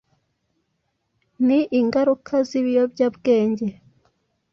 ni ingaruka z’ibiyobyabwenge.